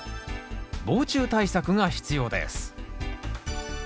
防虫対策が必要です。